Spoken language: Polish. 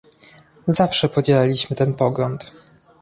Zawsze podzielaliśmy ten pogląd